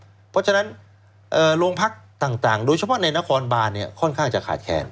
เพราะฉะนั้นโรงพักต่างโดยเฉพาะในนครบานค่อนข้างจะขาดแคลน